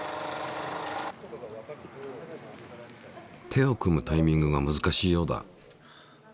手を組むタイミングが難しいようだ。